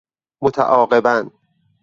متعاقباً